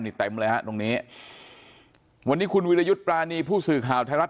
นี่เต็มเลยฮะตรงนี้วันนี้คุณวิรยุทธ์ปรานีผู้สื่อข่าวไทยรัฐ